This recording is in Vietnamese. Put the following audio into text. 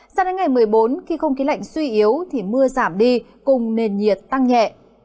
sao đến ngày một mươi bốn khi không khí lạnh suy yếu thì mưa giảm đi cùng nền nhiệt tăng nhẹ